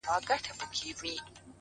• چي هغه زه له خياله وباسمه،